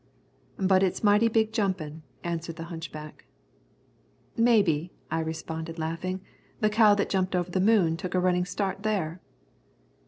"But it's mighty big jumpin'," answered the hunchback. "Maybe," I responded laughing, "the cow that jumped over the moon took a running start there."